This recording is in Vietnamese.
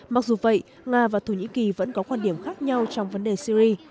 mặc dù vậy nga và thổ nhĩ kỳ vẫn có quan điểm khác nhau trong vấn đề syri